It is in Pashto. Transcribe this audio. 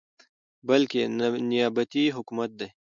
بلكې نيابتي حكومت دى ،